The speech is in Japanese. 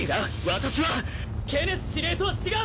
私はケネス司令とは違う！